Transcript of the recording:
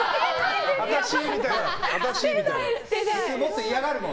私みたいな。